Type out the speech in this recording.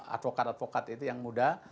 advokat advokat itu yang muda